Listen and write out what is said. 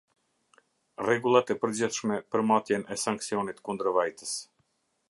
Rregullat e përgjithshme për matjen e sanksionit kundërvajtës.